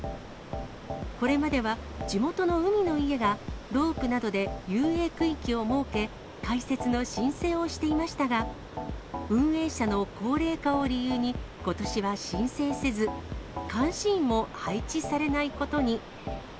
これまでは地元の海の家がロープなどで遊泳区域を設け、開設の申請をしていましたが、運営者の高齢化を理由に、ことしは申請せず、監視員も配置されないことに。